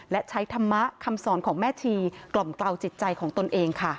และใช้ธรรมะคำสอนของแม่ชีกล่อมกล่าวจิตใจของตนเองค่ะ